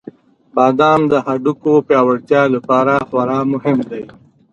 • بادام د هډوکو پیاوړتیا لپاره خورا مهم دی.